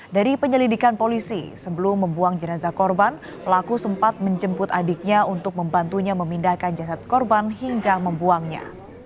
dari penyelidikan polisi sebelum membuang jenazah korban pelaku sempat menjemput adiknya untuk membantunya memindahkan jasad korban hingga membuangnya